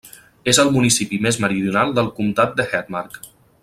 És el municipi més meridional del comtat de Hedmark.